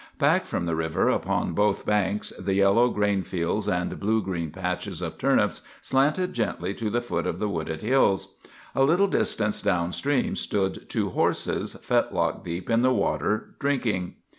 Back from the river, upon both banks, the yellow grain fields and blue green patches of turnips slanted gently to the foot of the wooded hills. A little distance down stream stood two horses, fetlock deep in the water, drinking.